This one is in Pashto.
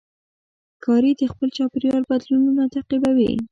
ښکاري د خپل چاپېریال بدلونونه تعقیبوي.